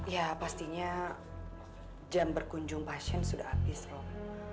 ya pastinya jam berkunjung pasien sudah abis rob